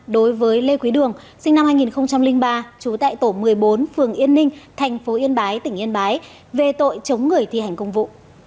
đối với lê quý đường sinh năm hai nghìn ba trú tại tổ một mươi bốn phường yên ninh tp yên bái tỉnh yên bái về tội chống người thi hành công vụ